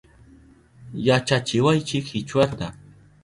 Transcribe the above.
Yachachiwaychi Kichwata